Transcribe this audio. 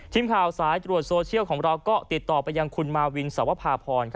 ทีมข่าวสายตรวจโซเชียลของเราก็ติดต่อไปยังคุณมาวินสวภาพร